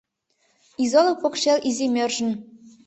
Изолык покшел изи мӧржын